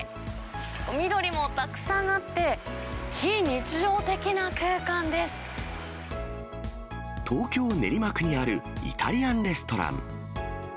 緑もたくさんあって、東京・練馬区にあるイタリアンレストラン。